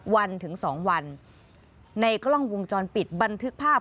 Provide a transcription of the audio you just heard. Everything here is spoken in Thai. วันถึง๒วันในกล้องวงจรปิดบันทึกภาพ